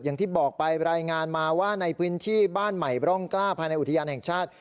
อย่างที่บอกไปรายงานมาว่าในพื้นที่บ้านใหม่ร่องกล้าภายในอุทยานแห่งชาติ